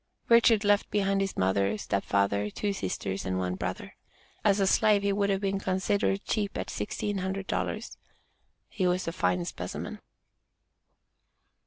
Richard left behind his mother, step father, two sisters, and one brother. As a slave, he would have been considered cheap at sixteen hundred dollars. He was a fine specimen.